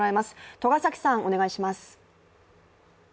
栂崎さん、お願いします。